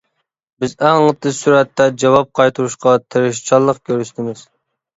بىز ئەڭ تېز سۈرئەتتە جاۋاب قايتۇرۇشقا تىرىشچانلىق كۆرسىتىمىز.